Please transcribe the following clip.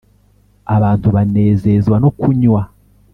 Abantu banezezwa no kunywa